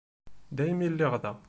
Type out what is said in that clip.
Daymi lliɣ da.